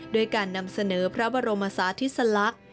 โดยการนำเสนอพระบรมศาสตร์ทิศลักษณ์